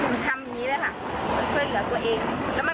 ทำอย่างนี้เลยค่ะมันช่วยเหลือตัวเอง